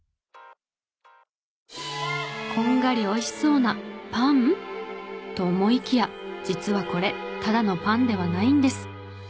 こんがり美味しそうなパン？と思いきや実はこれただのパンではないんです。